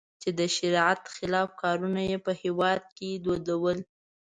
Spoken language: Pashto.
چې د شریعت خلاف کارونه یې په هېواد کې دودول.